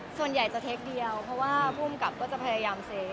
ส่วนใหญ่จะเทคเดียวเพราะว่าภูมิกับก็จะพยายามเซ